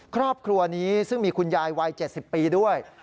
ครอบครัวนี้ซึ่งมีคุณยายวัย๗๐ปีด้วย